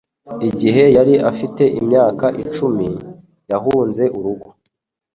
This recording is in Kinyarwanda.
Igihe yari afite imyaka icumi, yahunze urugo.